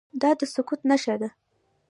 دا د سقوط نښه ده.